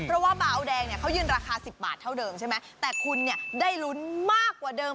เพราะว่าเบาแดงเนี่ยเขายืนราคา๑๐บาทเท่าเดิมใช่ไหมแต่คุณเนี่ยได้ลุ้นมากกว่าเดิม